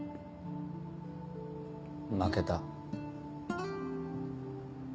負けた。